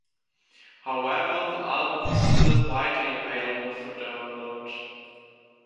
However, the album is still widely available for download.